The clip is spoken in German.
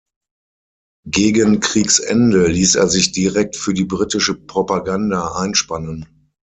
Gegen Kriegsende ließ er sich direkt für die britische Propaganda einspannen.